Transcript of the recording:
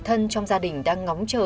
thân trong gia đình đang ngóng chờ